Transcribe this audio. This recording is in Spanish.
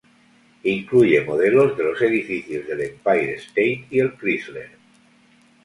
Incluye modelos de los edificios del Empire State y el Chrysler.